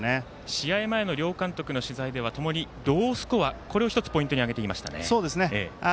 試合前の両監督の取材ではロースコアこれを１つポイントに挙げていましたね。